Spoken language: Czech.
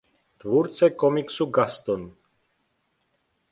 Tvůrce komiksu "Gaston".